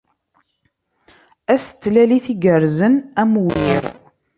Ass n tlalit igerrzen a Muirel!